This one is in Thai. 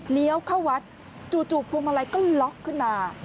เข้าวัดจู่พวงมาลัยก็ล็อกขึ้นมา